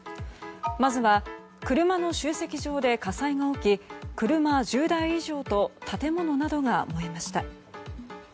まずは、車の集積場で火災が起き車１０台以上と建物などが燃えました。